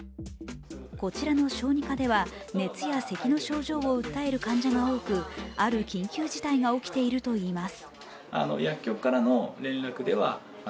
こちらの小児科では熱やせきの症状を訴える患者が多く、ある緊急事態が起きているといいます。